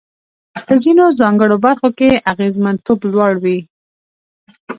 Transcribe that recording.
په ځینو ځانګړو برخو کې اغېزمنتوب لوړ وي.